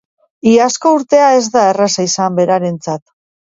Iazko urtea ez da erraza izan berarentzat.